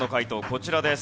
こちらです。